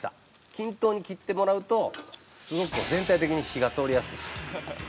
均等に切ってもらうとすごく全体的に火が通りやすい。